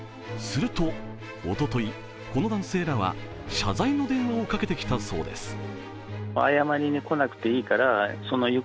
すると、おととい、この男性らは謝罪の電話をかけてきたそうです。